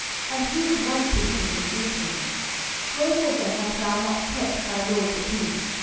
and who is like to thee in Israel? wherefore then hast thou not kept thy lord the king?